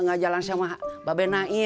gak jalan sama mbak be naim